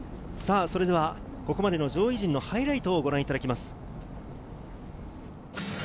それではここまでの上位陣のハイライトをご覧いただきます。